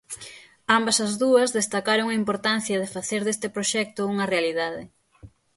Ambas as dúas destacaron a importancia de facer deste proxecto unha realidade.